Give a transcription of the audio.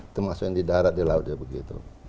itu maksudnya di darat di laut begitu